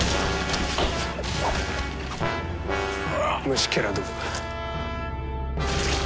虫けらどもが。